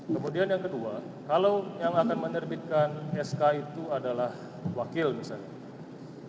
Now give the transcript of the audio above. kemudian yang kedua kalau yang akan menerbitkan sk itu adalah wakil misalnya